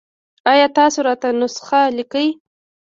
ایا تاسو راته نسخه لیکئ؟